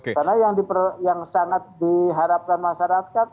karena yang sangat diharapkan masyarakat